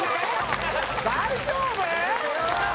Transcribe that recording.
大丈夫？